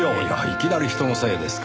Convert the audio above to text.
いきなり人のせいですか。